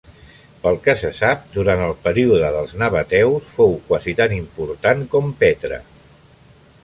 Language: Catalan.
Pel que se sap, durant el període dels nabateus fou quasi tan important com Petra.